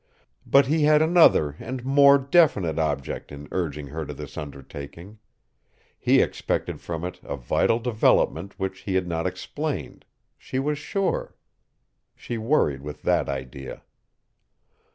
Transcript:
But he had another and more definite object in urging her to this undertaking; he expected from it a vital development which he had not explained she was sure. She worried with that idea.